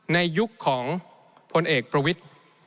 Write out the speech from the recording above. ในยุคของพลเอกประวิทธิ์